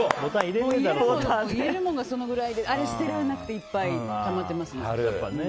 入れるものはそれくらいであれ捨てられなくていっぱいたまってますね。